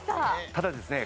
ただですね